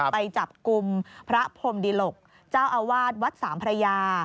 ไปจับกลุ่มพระพรมดิหลกเจ้าอาวาสวัดสามพระยา